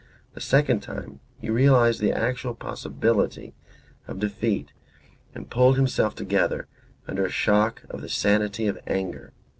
The second time he realized the actual possibility of defeat and pulled himself together under a shock of the sanity of anger.